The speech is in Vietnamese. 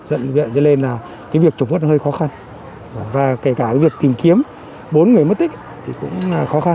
dẫn viện lên là cái việc trụng vớt hơi khó khăn và kể cả việc tìm kiếm bốn người mất tích thì cũng khó khăn